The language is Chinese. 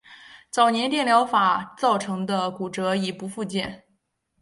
早年电疗法造成的骨折已不复见。